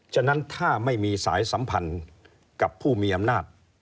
ฉะนั้นถ้าไม่มีสายสัมพันธ์กับผู้มีอำนาจ